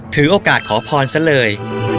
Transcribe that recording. ถือโอกาสขอพรซะเลย